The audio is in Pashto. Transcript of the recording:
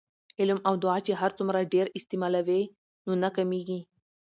علم او دعاء چې هرڅومره ډیر استعمالوې نو نه کمېږي